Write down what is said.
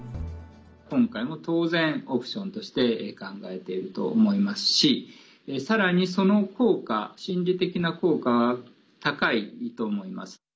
今回も当然、オプションとして考えていると思いますしさらに、その効果心理的な効果は高いと思います。